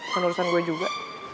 penurusan gue juga